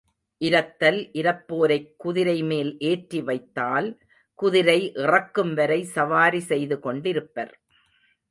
இரத்தல் இரப்போரைக் குதிரைமேல் ஏற்றி வைத்தால் குதிரை இறக்கும்வரை சவாரி செய்து கொண்டிருப்பர்.